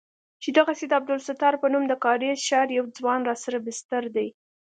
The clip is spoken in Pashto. چې دغسې د عبدالستار په نوم د کارېز ښار يو ځوان راسره بستر دى.